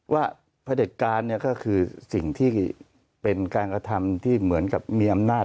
พระเด็จการเนี่ยก็คือสิ่งที่เป็นการกระทำที่เหมือนกับมีอำนาจ